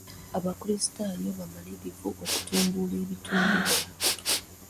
Abakrisitaayo bamalirivu okutumbula ebitundu byabwe.